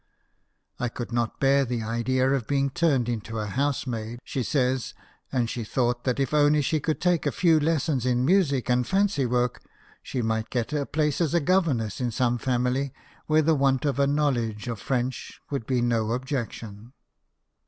" I could not bear the idea of being turned into a housemaid," she says ; and she thought that if only she could take a few lessons in music and fancy work she might get " a place as governess in some family where the want of a knowledge of French would be no objection."